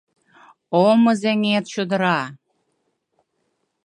О Мызеҥер чодыра!